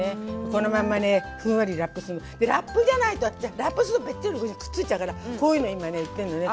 このまんまねふんわりラップすんの。でラップじゃないとラップするとべっちょりくっついちゃうからこういうの今ね売ってんのね。